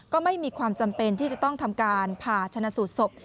ก็ไม่มีความจำเป็นที่จะต้องทำการผ่าชนะสูตรศพ